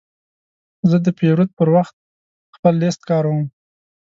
زه د پیرود پر وخت خپل لیست کاروم.